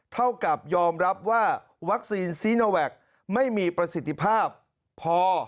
เท่ากับยอมรับว่าวัคซีนซีโนแวคไม่มีประสิทธิภาพพอ